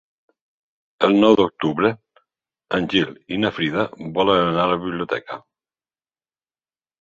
El nou d'octubre en Gil i na Frida volen anar a la biblioteca.